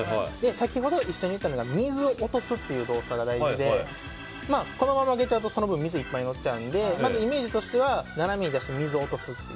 先ほど一緒に言ったのが水を落とすという動作が大事でこのまま上げちゃうとその分水がいっぱいのっちゃうのでイメージとしては斜めに出して水を落とすっていう。